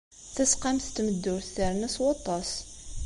Tasqamt n tmeddurt terna s waṭas.